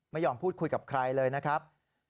ไม่ยอมพูดคุยกับใครเลยนะครับ